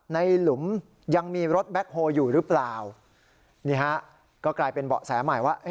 หลุมยังมีรถแบ็คโฮลอยู่หรือเปล่านี่ฮะก็กลายเป็นเบาะแสใหม่ว่า